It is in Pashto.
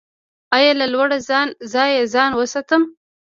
ایا له لوړ ځای ځان وساتم؟